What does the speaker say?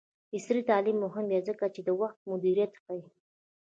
عصري تعلیم مهم دی ځکه چې د وخت مدیریت ښيي.